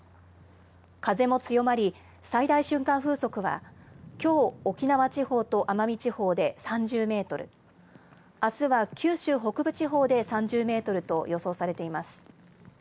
風も強まり、最大瞬間風速は、きょう、沖縄地方と奄美地方で３０メートル、あすは九州北部地方で３０メートルと予想されています。